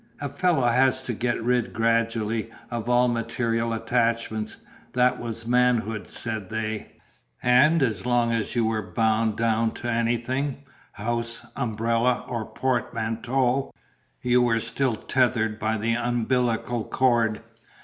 "A fellow has to get rid gradually of all material attachments; that was manhood" (said they); "and as long as you were bound down to anything, house, umbrella, or portmanteau, you were still tethered by the umbilical cord."